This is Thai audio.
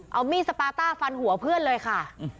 เอามีดสปาต้าฟันหัวเพื่อนเลยค่ะ